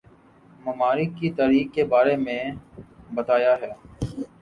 ممالک کی تاریخ کے بارے میں بتایا ہے